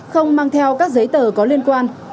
không mang theo các giấy tờ có liên quan